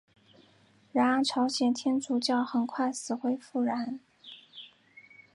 然而朝鲜天主教很快死灰复燃。